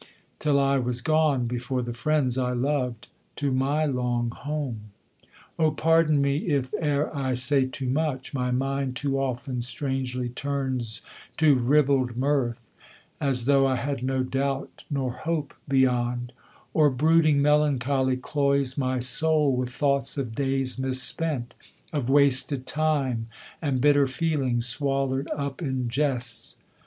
till I was gone, Before the friends I loved, to my long home. Oh pardon me, if e'er I say too much; my mind Too often strangely turns to ribald mirth, As though I had no doubt nor hope beyond Or brooding melancholy cloys my soul With thoughts of days misspent, of wasted time And bitter feelings swallowed up in jests.